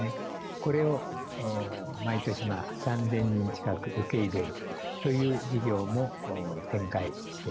これを毎年３，０００人近く受け入れるという事業も展開しております。